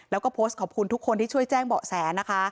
แล้วก็โพสต์ขอบคุณทุกคนที่ช่วยแจ้งเบาะแสนะคะ